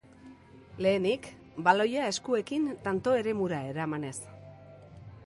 Lehenik, baloia eskuekin tanto-eremura eramanez.